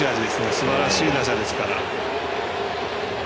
すばらしい打者ですから。